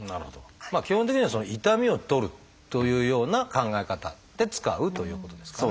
基本的には痛みを取るというような考え方で使うということですかね。